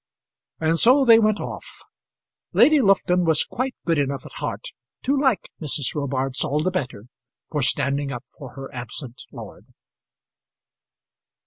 And so they went off. Lady Lufton was quite good enough at heart to like Mrs. Robarts all the better for standing up for her absent lord.